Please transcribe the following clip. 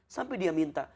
sampai dia minta